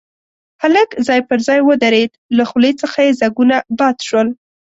هلک ځای پر ځای ودرېد، له خولې څخه يې ځګونه باد شول.